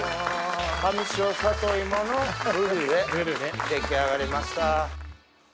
上庄さといものブリュレ出来上がりました。